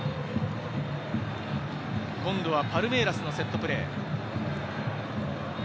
今度はパルメイラスのセットプレー。